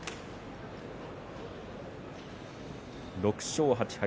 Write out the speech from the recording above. ６勝８敗。